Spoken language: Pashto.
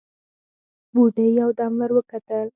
بوډۍ يودم ور وکتل: